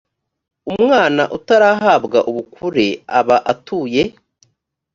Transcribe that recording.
umwana utarahabwa ubukure aba atuye